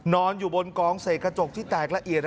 นอนอยู่บนกองเศษกระจกที่แตกละเอียด